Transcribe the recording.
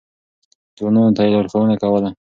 ځوانانو ته يې لارښوونه کوله.